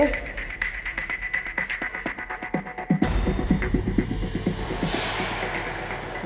ya gue kelas